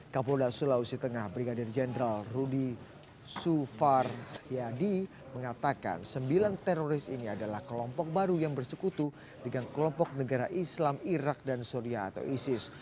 kapolda sulawesi tengah brigadir jenderal rudy sufar yadi mengatakan sembilan teroris ini adalah kelompok baru yang bersekutu dengan kelompok negara islam irak dan syria atau isis